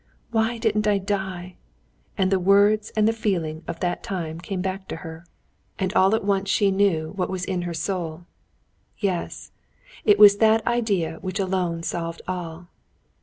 "Why didn't I die?" and the words and the feeling of that time came back to her. And all at once she knew what was in her soul. Yes, it was that idea which alone solved all.